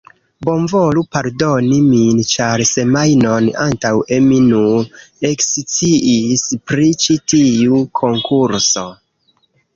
Bonvolu pardoni min ĉar semajnon antaŭe, mi nur eksciis pri ĉi tiu konkurso